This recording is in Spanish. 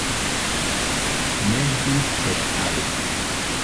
Nesbitt "et al.